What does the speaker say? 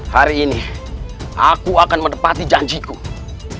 hari ini aku akan menepati janjiku